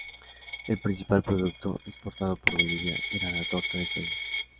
El principal producto exportado por Bolivia era la torta de soya.